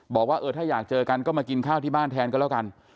บอกว่าเออถ้าอยากเจอกันก็มากินข้าวที่บ้านแทนก็แล้วกัน